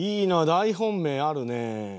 大本命あるね。